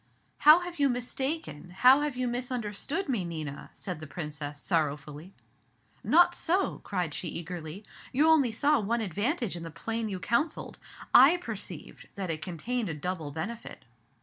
"How have you mistaken, how have you misunderstood me, Nina!" said the Princess, sorrowfully. "Not so," cried she, eagerly. "You only saw one advantage in the plan you counselled. I perceived that it contained a double benefit."